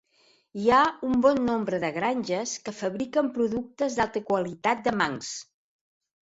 Hi ha un bon nombre de granges que fabriquen productes d'alta qualitat de Manx.